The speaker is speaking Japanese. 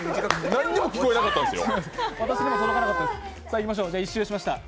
何にも聞こえなかったっすよ。